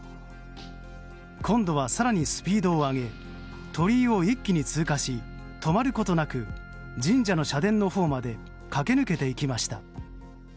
今度は更にスピードを上げ鳥居を一気に通過し止まることなく神社の社殿のほうまで駆け抜けていきました。